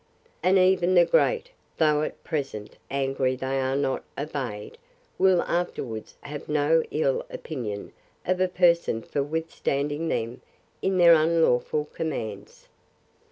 And even the great, though at present angry they are not obeyed, will afterwards have no ill opinion of a person for withstanding them in their unlawful commands.